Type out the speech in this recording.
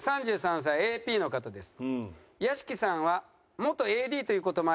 ３３歳ＡＰの方です。